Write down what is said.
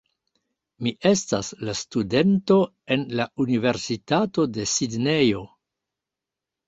Mi estas la studento en la Universitato de Sidnejo